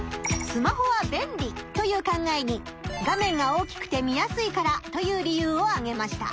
「スマホは便利」という考えに「画面が大きくて見やすいから」という理由をあげました。